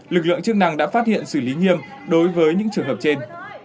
lực lượng chức năng đã phát hiện xử lý nghiêm đối với những trường hợp trên